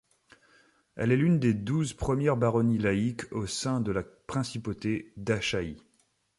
Elle est l'une des douze premières baronnies laïques au sein de la principauté d'Achaïe.